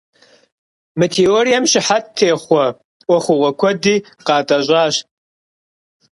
Мы теорием щыхьэт техъуэ ӏуэхугъуэ куэди къатӏэщӏащ.